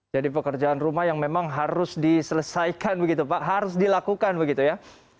jadi pekerjaan rumah yang memang harus diselesaikan begitu pak harus dilakukan begitu ya